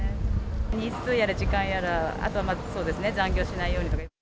日数やら時間やら、あとは残業しないようにとか。